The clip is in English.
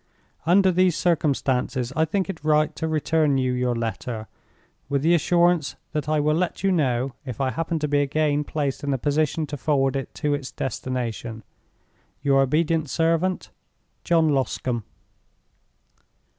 "Under these circumstances, I think it right to return you your letter, with the assurance that I will let you know, if I happen to be again placed in a position to forward it to its destination. "Your obedient servant, "JOHN LOSCOMBE."